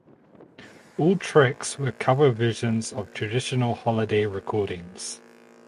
All tracks were cover versions of traditional holiday recordings.